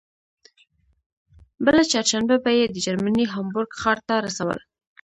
بله چهارشنبه به یې د جرمني هامبورګ ښار ته رسول.